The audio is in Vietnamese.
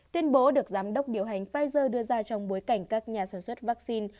tuyên bố được giám đốc điều hành pfizer đưa ra trong bối cảnh các nhà sản xuất vaccine